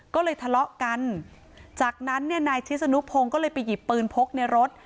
ก็เลยทะเลาะกันจากนั้นเนี่ยนายชิศนุพงศ์ก็เลยไปหยิบปืนพกในรถ